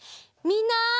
みんな！